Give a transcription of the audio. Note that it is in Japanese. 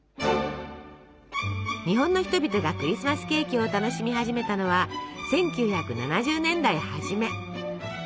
日本の人々がクリスマスケーキを楽しみ始めたのは１９７０年代はじめ。